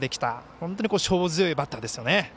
本当に勝負強いバッターですね。